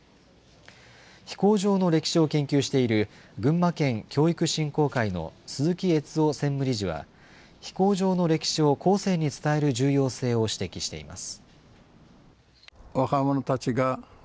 飛行場の歴史を研究している群馬県教育振興会の鈴木越夫専務理事は、飛行場の歴史を後世に伝える重要性を指摘しています。